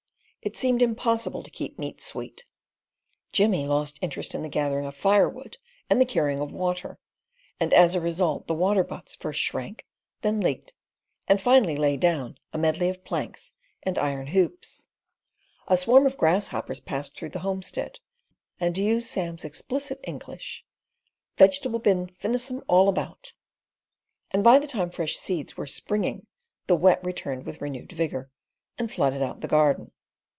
It seemed impossible to keep meat sweet. Jimmy lost interest in the gathering of firewood and the carrying of water; and as a result, the waterbutts first shrank, then leaked, and finally lay down, a medley of planks and iron hoops. A swarm of grasshoppers passed through the homestead, and to use Sam's explicit English: "Vegetable bin finissem all about"; and by the time fresh seeds were springing the Wet returned with renewed vigour, and flooded out the garden.